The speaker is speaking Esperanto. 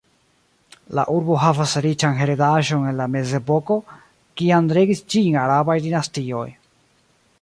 La urbo havas riĉan heredaĵon el la mezepoko, kiam regis ĝin arabaj dinastioj.